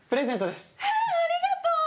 えっありがとう！